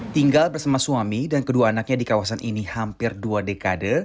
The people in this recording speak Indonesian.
tinggal bersama suami dan kedua anaknya di kawasan ini hampir dua dekade